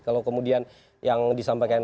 kalau kemudian yang disampaikan